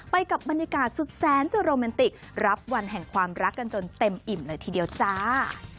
ไปกับบรรยากาศสุดแสนจะโรแมนติกรับวันแห่งความรักกันจนเต็มอิ่มเลยทีเดียวจ้า